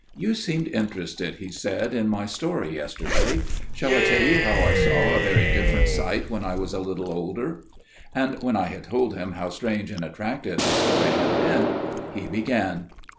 "You seemed interested," he said, "in my story yesterday. Shall I tell you how I saw a very different sight when I was a little older?" And when I had told him how strange and attractive his story had been, he began.